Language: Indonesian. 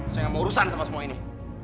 saya nggak mau urusan sama semua ini